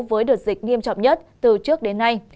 với đợt dịch nghiêm trọng nhất từ trước đến nay